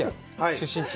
出身地。